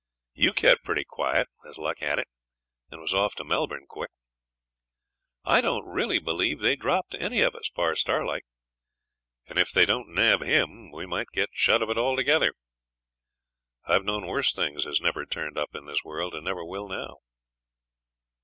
You kept pretty quiet, as luck had it, and was off to Melbourne quick. I don't really believe they dropped to any of us, bar Starlight; and if they don't nab him we might get shut of it altogether. I've known worse things as never turned up in this world, and never will now.'